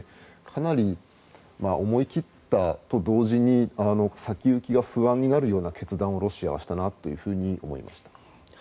かなり思い切ったと同時に先行きが不安になるような決断をロシアはしたなというふうに思いました。